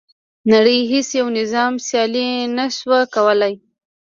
نړۍ هیڅ یو نظام سیالي نه شوه کولای.